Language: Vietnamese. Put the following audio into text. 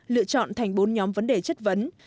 lựa chọn thành bốn nhóm vấn đề chất vấn